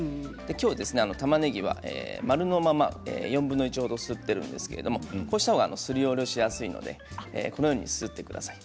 きょうはたまねぎは丸のまま４分の１ほどすっているんですけれどこのほうがすりおろしやすいのでこのようにすってください。